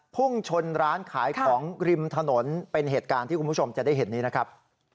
พุ่งชนร้านขายของริมถนนเป็นเหตุการณ์ที่คุณผู้ชมจะได้เห็นนี้นะครับ